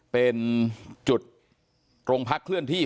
เป็นจุดโรงพักเคลื่อนที่